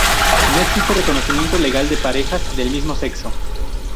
No existe reconocimiento legal de parejas del mismo sexo.